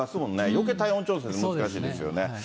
よけい体温調節、難しいですよね。